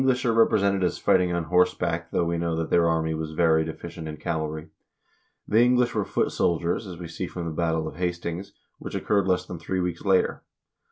292 HISTORY OF THE NORWEGIAN PEOPLE The English are represented as fighting on horseback, though we know that their army was very deficient in cavalry. The Eng lish were foot soldiers, as we see from the battle of Hastings, which occurred less than three weeks later.